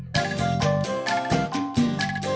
siap hape siap hape